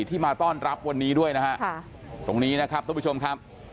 ที่มาต้อนรับวันนี้ด้วยนะฮะตรงนี้นะครับท่านผู้ชมครับ